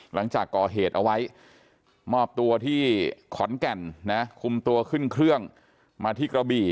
หลังจากก่อเหตุเอาไว้มอบตัวที่ขอนแก่นนะคุมตัวขึ้นเครื่องมาที่กระบี่